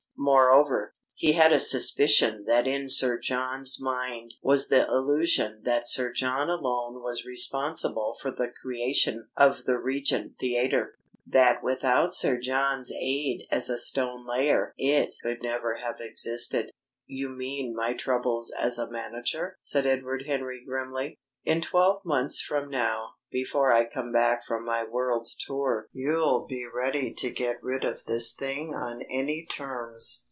Moreover, he had a suspicion that in Sir John's mind was the illusion that Sir John alone was responsible for the creation of the Regent Theatre that without Sir John's aid as a stone layer it could never have existed. "You mean my troubles as a manager?" said Edward Henry grimly. "In twelve months from now, before I come back from my world's tour, you'll be ready to get rid of this thing on any terms.